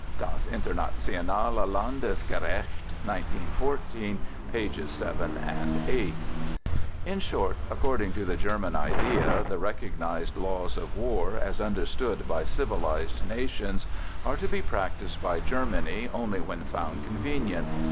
("Das Internationale Landkriegsrecht," 1914, pages 7 and 8) In short, according to the German idea, the recognized Laws of War, as understood by civilized nations, are to be practised by Germany only when found convenient.